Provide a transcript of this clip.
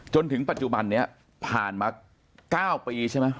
จนถึงปัจจุบันนี้ผ่านมา๙ปีใช่ไหม